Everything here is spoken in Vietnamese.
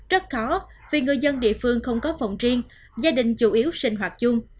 rất khó vì người dân địa phương không có phòng riêng gia đình chủ yếu sinh hoạt chung